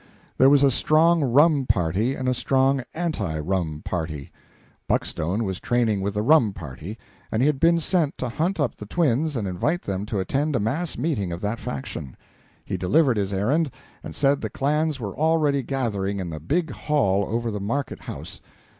There was a strong rum party and a strong anti rum party. Buckstone was training with the rum party, and he had been sent to hunt up the twins and invite them to attend a mass meeting of that faction. He delivered his errand, and said the clans were already gathering in the big hall over the market house.